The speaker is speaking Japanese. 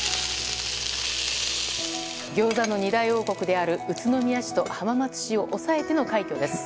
ギョーザの二大王国である宇都宮市と浜松市を抑えての快挙です。